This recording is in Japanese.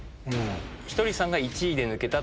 ひとりさん１位で抜けた。